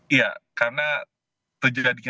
iya karena terjadinya